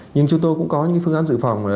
nhưng chúng tôi cũng có những phương án dự phòng